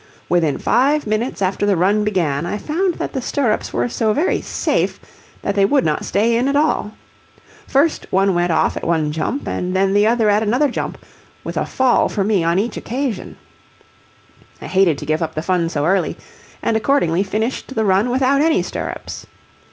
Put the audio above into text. Within five minutes after the run began I found that the stirrups were so very "safe" that they would not stay in at all. First one went off at one jump, and then the other at another jump with a fall for me on each occasion. I hated to give up the fun so early, and accordingly finished the run without any stirrups.